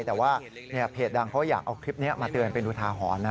แต่ว่าเพจดังเขาอยากเอาคลิปนี้มาเตือนเป็นอุทาหรณ์นะ